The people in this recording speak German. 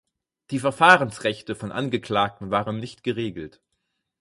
Die Verfahrensrechte von Angeklagten waren nicht geregelt.